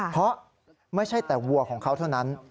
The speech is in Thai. เพราะไม่ใช่แต่วัวของเขาเท่านั้น